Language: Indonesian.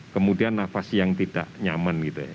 kemudian nafas yang tidak nyaman gitu ya